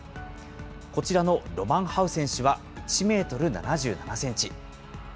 こちらのロマンハウ選手は１メートル７７センチ。